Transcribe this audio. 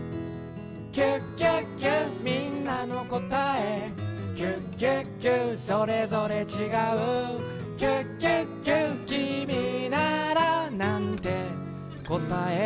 「キュキュキュみんなのこたえ」「キュキュキュそれぞれちがう」「キュキュキュきみならなんてこたえるの？」